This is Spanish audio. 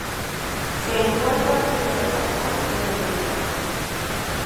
Se encuentra al sur del Japón y en Okinawa.